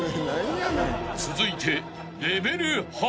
［続いて］